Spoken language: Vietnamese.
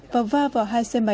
và va vào hai xe máy